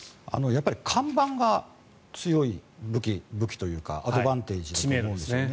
やっぱり看板が強い武器というかアドバンテージだと思うんですよね。